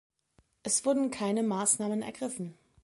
Es wurden keine Maßnahmen ergriffen.